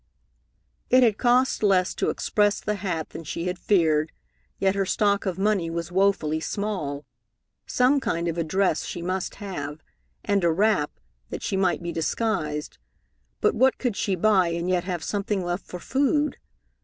It had cost less to express the hat than she had feared, yet her stock of money was woefully small. Some kind of a dress she must have, and a wrap, that she might be disguised, but what could she buy and yet have something left for food?